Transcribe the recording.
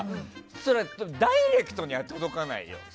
でも、それはダイレクトには届かないよ。